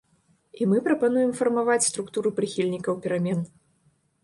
І мы прапануем фармаваць структуру прыхільнікаў перамен.